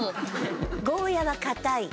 ゴーヤは、かたい。